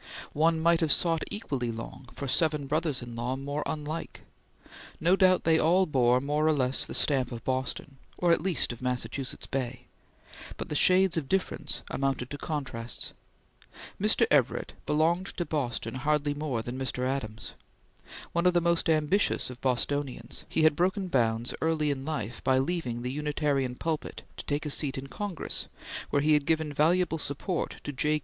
One might have sought equally long for seven brothers in law more unlike. No doubt they all bore more or less the stamp of Boston, or at least of Massachusetts Bay, but the shades of difference amounted to contrasts. Mr. Everett belonged to Boston hardly more than Mr. Adams. One of the most ambitious of Bostonians, he had broken bounds early in life by leaving the Unitarian pulpit to take a seat in Congress where he had given valuable support to J.